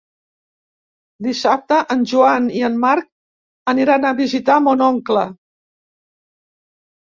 Dissabte en Joan i en Marc aniran a visitar mon oncle.